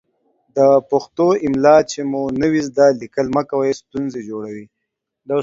د پښتو املا چې مو نه وي ذده، ليکل مه کوئ ستونزې جوړوي.